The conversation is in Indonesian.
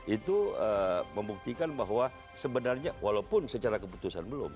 itu membuktikan bahwa sebenarnya walaupun secara keputusan belum